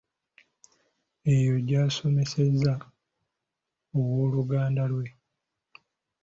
Eyo gy'asomeseza owooluganda lwe.